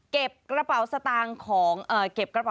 เก็บกระเป๋าสตางค์